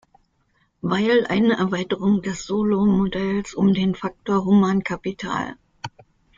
Weil eine Erweiterung des Solow-Modells um den Faktor Humankapital.